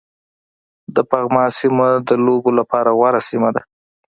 د پغمان سيمه د لوبو لپاره غوره سيمه ده